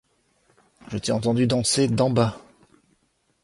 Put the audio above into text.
Je t'ai entendue danser d'en bas.